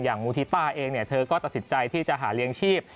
อย่างมูธิตาเองเนี่ยเธอก็ตัดสินใจที่จะหาเลี้ยงชีพ